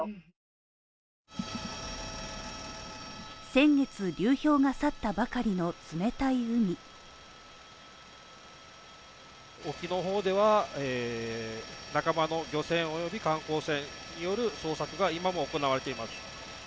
先月流氷が去ったばかりの冷たい海沖の方では仲間の漁船および観光船による捜索が今も行われています。